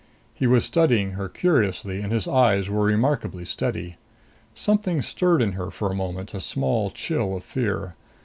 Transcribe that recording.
He was studying her curiously, and his eyes were remarkably steady. Something stirred in her for a moment, a small chill of fear.